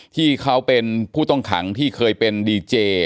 ที่เขาเป็นผู้ต้องขังที่เคยเป็นดีเจ